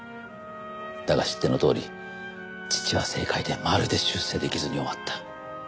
だが知ってのとおり義父は政界でまるで出世できずに終わった。